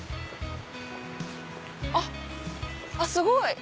あっすごい！